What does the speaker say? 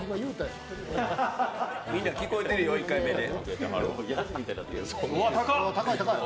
みんな聞こえてるよ、１回目で。